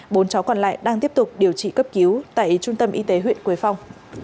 bốn cháu còn lại đang tiếp tục điều trị cấp cứu tại trung tâm y tế huyện quế phong